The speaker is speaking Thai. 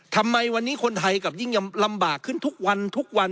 ทำไมวันนี้คนไทยกลับยิ่งลำบากขึ้นทุกวันทุกวัน